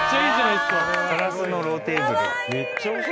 ガラスのローテーブル。